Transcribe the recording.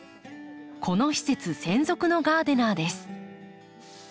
この施設専属のガーデナーです。